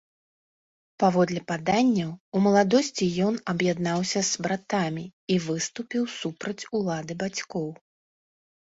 Паводле паданняў, у маладосці ён аб'яднаўся с братамі і выступіў супраць улады бацькоў.